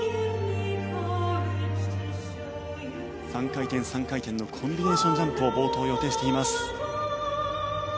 ３回転３回転のコンビネーションジャンプを冒頭予定しています。